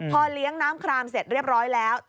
พอเลี้ยงน้ำครามเสร็จเรียบร้อยแล้ว